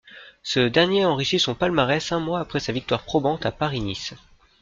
Ce dernier enrichit son palmarès un mois après sa victoire probante à Paris-Nice.